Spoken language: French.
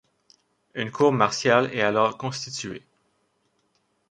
Une cour martiale est alors constituée.